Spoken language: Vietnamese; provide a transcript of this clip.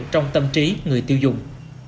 trong tâm trí người tiêu dùng